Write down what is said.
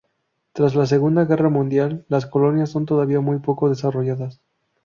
Tras la Segunda Guerra Mundial, las colonias son todavía muy poco desarrolladas.